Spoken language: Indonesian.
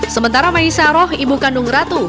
sementara maisaroh ibu kandung ratu